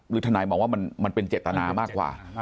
ทนายมองว่ามันเป็นเจตนามากกว่า